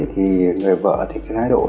thì người vợ thì cái thái độ